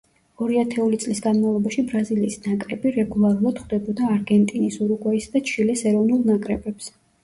ორი ათეული წლის განმავლობაში ბრაზილიის ნაკრები რეგულარულად ხვდებოდა არგენტინის, ურუგვაის და ჩილეს ეროვნულ ნაკრებებს.